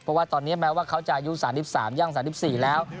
เพราะว่าตอนนี้แม้ว่าเขาจะอายุ๓๓ย่าง๓๔แล้ว